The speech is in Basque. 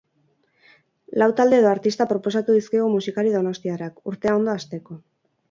Lau talde edo artista proposatu dizkigu musikari donostiarrak, urtea ondo hasteko.